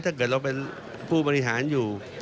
ถ้าเกิดเราเป็นผู้บริหารอยู่